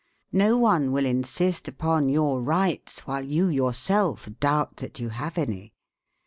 No one will insist upon your rights while you yourself doubt that you have any.